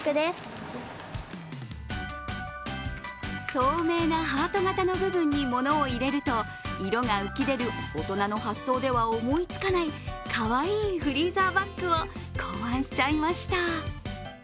透明なハート形の部分にものを入れると色が浮き出る大人の発想では思いつかない、かわいいフリーザーバッグを考案しちゃいました。